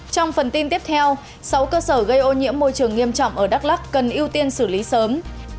trong phần tin tiếp theo sáu cơ sở gây ô nhiễm môi trường nghiêm trọng ở đắk lắc cần ưu tiên xử lý sớm